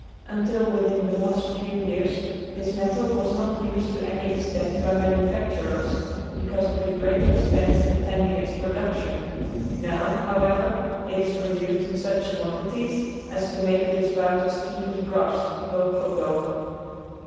Until within the last few years this metal was not used to any extent by manufacturers, because of the great expense attending its production. Now, however, it is produced in such quantities as to make it about as cheap as brass, bulk for bulk.